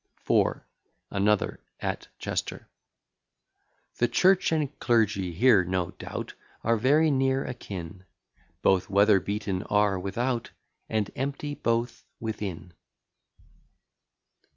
IV. ANOTHER, AT CHESTER The church and clergy here, no doubt, Are very near a kin; Both weather beaten are without, And empty both within.